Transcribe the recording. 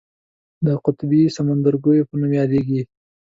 د قطبي سمندرګیو په نوم یادیږي.